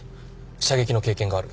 射撃の経験がある。